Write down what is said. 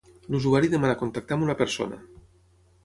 L'usuari demana contactar amb una persona.